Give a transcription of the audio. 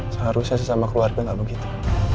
seharusnya sesama keluarga tidak begitu